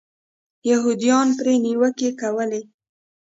یهودیانو پرې نیوکې کولې.